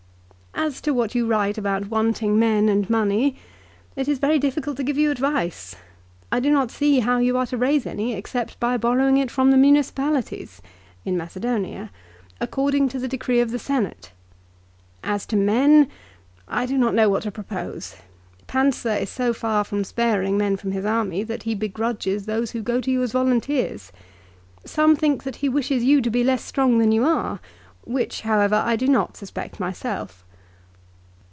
" As to what you write about wanting men and money, it is very difficult to give you advice. I do not see how you are to raise any except by borrowing it from the municipalities," in Macedonia, " according to the decree of the Senate. As to men, I do not know what to propose. Pansa is so far from sparing men from his army, that he begrudges those who go . to you as volunteers. Some think that he wishes you to be less strong than you are, which, however, I do not suspect myself."